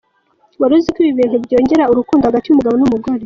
Wari uzi ko ibi bintu byongera urukundo hagati y’umugabo n’umugore .